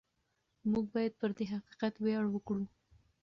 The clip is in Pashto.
موږ باید پر دې حقیقت ویاړ وکړو.